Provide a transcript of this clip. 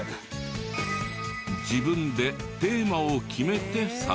自分でテーマを決めて撮影し。